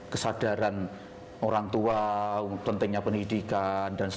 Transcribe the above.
kesadaran orang tua pentingnya pendidikan dan sebagainya